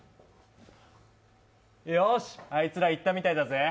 よし、あいつら行ったみたいだぜ。